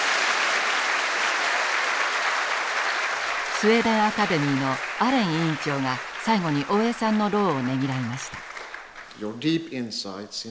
スウェーデン・アカデミーのアレン委員長が最後に大江さんの労をねぎらいました。